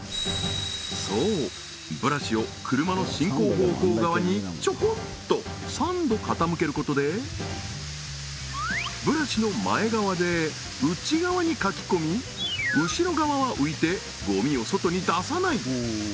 そうブラシを車の進行方向側にちょこっと３度傾けることでブラシの前側で内側にかきこみ後ろ側は浮いてゴミを外に出さない